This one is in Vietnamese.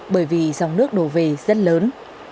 bởi vì dòng nước đổ về rất lớn